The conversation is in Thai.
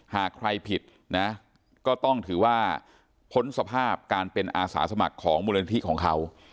หากใครผิดนะก็ต้องถือว่าพ้นสภาพการเป็นอาสาสมัครของมูลนิธิของเขา